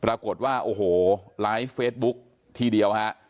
ปรากฏว่าโอ้โหไลฟ์เฟซบุ๊คทีเดียวฮะ